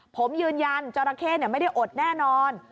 ผมยืนยันจราเข้ไม่ได้อดแน่นอน